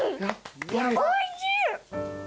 おいしい！